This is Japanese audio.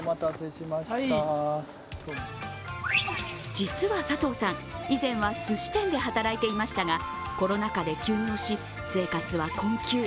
実は佐藤さん、以前はすし店で働いていましたがコロナ禍で休業し、生活は困窮。